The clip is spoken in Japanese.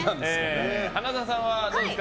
花澤さんはどうですか？